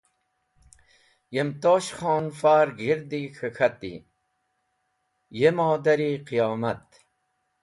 Yem Tosh Khon far g̃hirdi k̃he k̃hati: Ye modar-e qiyomat!